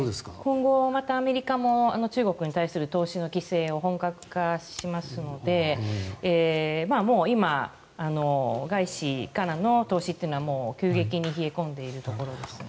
今後はアメリカも中国に対する投資の規制を本格化しますので今、外資からの投資というのはもう急激に冷え込んでいるところですね。